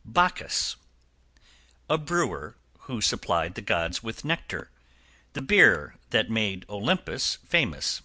=BACCHUS. A brewer, who supplied the Gods with nectar, the beer that made Olympus famous.